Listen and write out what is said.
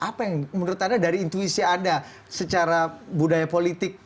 apa yang menurut anda dari intuisi anda secara budaya politik